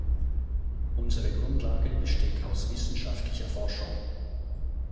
Unsere Grundlage besteht aus wissenschaftlicher Forschung.